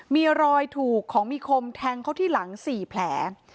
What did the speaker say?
มีรอยถูกของมีคมแทงเขาที่หลัง๔แผล